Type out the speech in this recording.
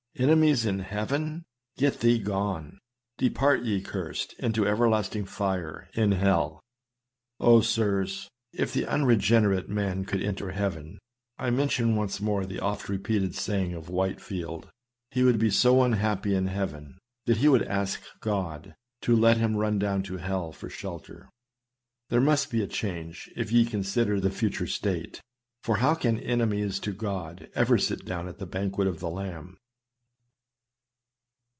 Enemies in heaven ? Get thee gone ?' Depart, ye cursed, into everlasting fire in hell !'" Oh ! sirs, if the unregenerate man could enter heaven, I mention once more, the oft repeated saying of Whitfield, he would be so unhappy in heaven, that he would ask God to let him run down to hell for shelter. There must be a change, if ye consider the future state ; for how can enemies to God ever sit down at the banquet of the Lamb?